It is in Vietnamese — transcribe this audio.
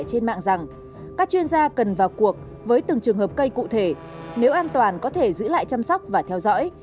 các chuyên gia cần vào cuộc với từng trường hợp cây cụ thể nếu an toàn có thể giữ lại chăm sóc và theo dõi